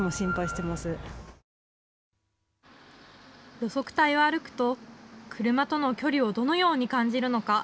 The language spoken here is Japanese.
路側帯を歩くと車との距離をどのように感じるのか。